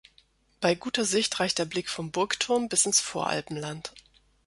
Bei guter Sicht reicht der Blick vom Burgturm bis ins Voralpenland.